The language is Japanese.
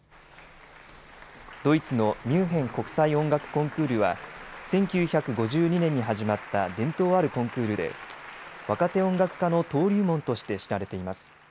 ドイツの、ミュンヘン国際音楽コンクールは１９５２年に始まった伝統あるコンクールで若手音楽家の登竜門として知られています。